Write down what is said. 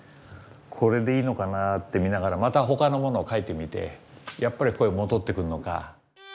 これでいいのかなって見ながらまた他のものを描いてみてやっぱりここへ戻ってくるのか。